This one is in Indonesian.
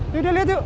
yaudah liat yuk